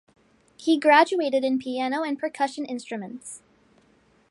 He graduated in piano and percussion instruments.